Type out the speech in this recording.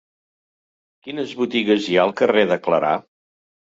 Quines botigues hi ha al carrer de Clarà?